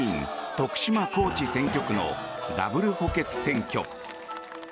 徳島・高知選挙区のダブル補欠選挙。